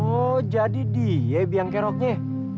oh jadi dia biangkeroknya